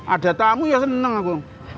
ada tamu ya seneng aku